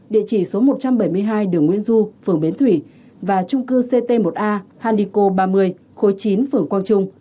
địa chỉ số một trăm bảy mươi hai đường nguyễn du phường bến thủy và trung cư ct một a handiko ba mươi khối chín phường quang trung